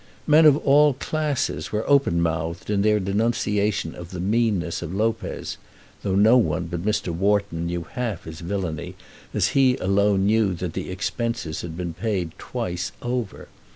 Men of all classes were open mouthed in their denunciation of the meanness of Lopez, though no one but Mr. Wharton knew half his villainy, as he alone knew that the expenses had been paid twice over.